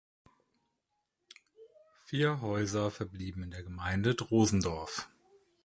Vier Häuser verblieben der Gemeinde Drosendorf.